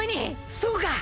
そうか！